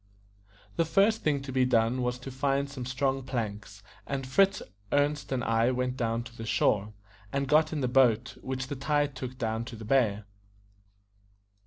The first thing to be done was to find some strong planks; and Fritz, Ernest, and I went down to the shore, and got in the boat, which the tide took down to the bay.